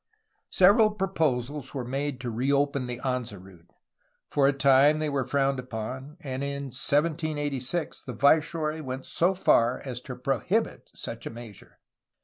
Several proposals were made to reopen the Anza route. For a time they were frowned upon, and in 1786 the viceroy went so far as to prohibit such a measure.